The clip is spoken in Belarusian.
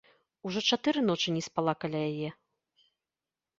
Ужо чатыры ночы не спала каля яе.